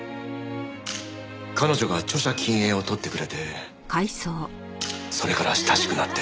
彼女が著者近影を撮ってくれてそれから親しくなって。